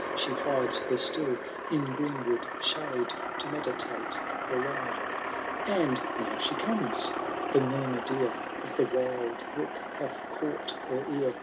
She hides her still in greenwood shade, To meditate her rhjrme. VI. And now she comes 1 The muimnr dear Of the wild brook hath caught her ear.